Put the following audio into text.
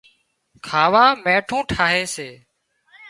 کاوا مينٺون ٿائي سي